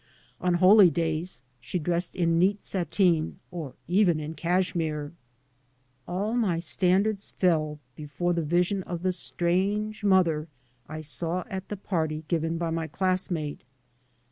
On holy days she dressed in neat sateen, or even in cashmere. All my standards fell before the vision of the strange mother I saw at the party given by my classmate.